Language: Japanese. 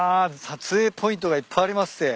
撮影ポイントがいっぱいありまっせ。